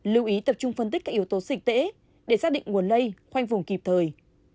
lưu ý tập trung phân tích các yếu tố dịch tễ để xác định nguồn lây khoanh vùng kịp thời